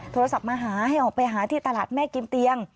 โทรศัพท์มาหาให้ออกไปหาที่ตลาดแม่กิมเตียง